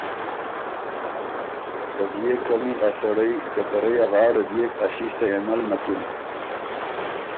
ته بيې قمی ا سړئ که ته رئ ا غاړه ديېک ا ݭیݭتئ یه نل نکِن